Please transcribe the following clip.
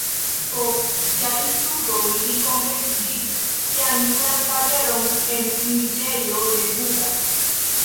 Post siaj studoj li komencis sian juran karieron en juĝejo de Buda.